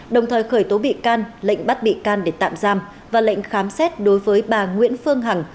đồng thời khởi tố bị can lệnh bắt bị can để tạm giam và lệnh khám xét đối với bà nguyễn phương hằng